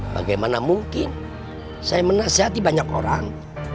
bagaimana mungkin saya menasihati banyak orang